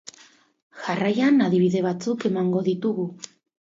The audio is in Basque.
Jarraian adibide batzuk emango ditugu.